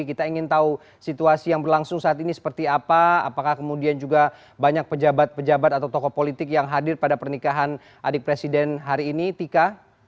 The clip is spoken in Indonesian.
kita ingin tahu situasi yang berlangsung saat ini seperti apa apakah kemudian juga banyak pejabat pejabat atau tokoh politik yang hadir pada pernikahan adik presiden hari ini tika